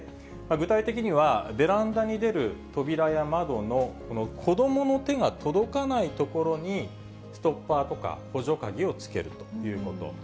具体的には、ベランダに出る扉や窓の、この子どもの手が届かない所に、ストッパーとか補助鍵をつけるということ。